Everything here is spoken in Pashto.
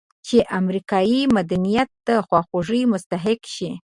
چې د امریکایي مدنیت د خواخوږۍ مستحق شي.